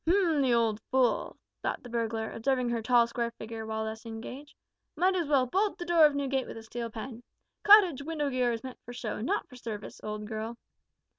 "H'm! The old fool," thought the burglar, observing her tall square figure while thus engaged, "might as well bolt the door of Newgate with a steel pen. Cottage window gear is meant for show, not for service, old girl."